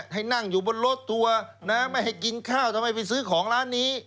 ให้นั่งอยู่บนรถทัวร์นะไม่ให้กินข้าวทำไมไปซื้อของร้านนี้